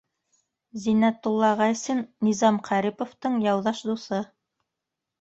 Зиннәтулла Ғайсин, Низам Ҡәриповтың яуҙаш дуҫы.